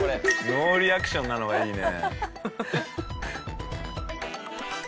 ノーリアクションなのがいいね。